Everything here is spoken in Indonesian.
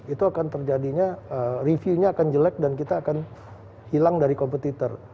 itu akan terjadinya review nya akan jelek dan kita akan hilang dari kompetitor